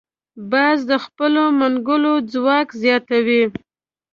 باز د خپلو منګولو ځواک زیاتوي